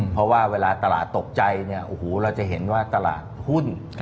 เพราะว่าเวลาตลาดตกใจเราจะเห็นว่าตลาดหุ้น